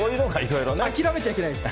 諦めちゃいけないんです。